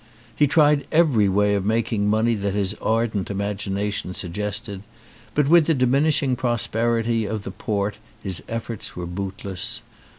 He tried every way of making money that his ardent imagination sug gested, but with the diminishing prosperity of the port his efforts were bootless.